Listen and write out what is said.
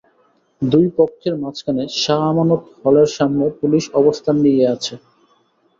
দুই পক্ষের মাঝখানে শাহ আমানত হলের সামনে পুলিশ অবস্থান নিয়ে আছে।